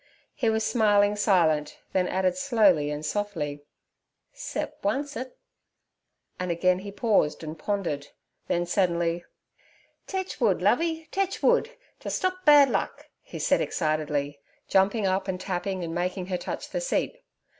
He was smilingly silent, then added slowly and softly, 'Cep' oncet' and again he paused and pondered, then suddenly: 'Tech wood, Lovey! tech wood, t' stop bad luck!' he said excitedly, jumping up and tapping and making her touch the seat.